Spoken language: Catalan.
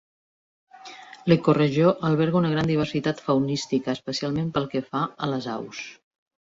L'ecoregió alberga una gran diversitat faunística, especialment pel que fa a les aus.